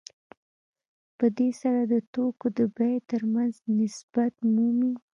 په دې سره د توکو د بیې ترمنځ نسبت مومي